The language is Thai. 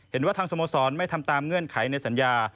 เห็นว่าทางสโมสรไม่ทำตามเงื่อนไขในสัญญา